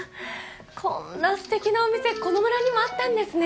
こんなすてきなお店この村にもあったんですね。